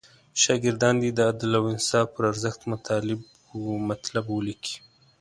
شاګردان دې د عدل او انصاف پر ارزښت مطلب ولیکي.